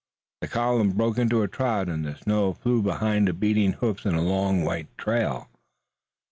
The column broke into a trot and the snow flew behind the beating hoofs in a long white trail.